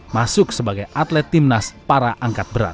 masuk sebagai atlet timnas para angkat berat